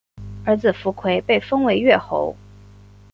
儿子苻馗被封为越侯。